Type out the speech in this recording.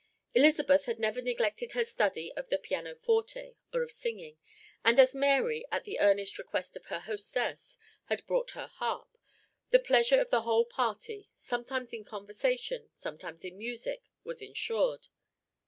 Elizabeth had never neglected her study of the pianoforte or of singing, and as Mary, at the earnest request of her hostess, had brought her harp, the pleasure of the whole party, sometimes in conversation, sometimes in music, was ensured.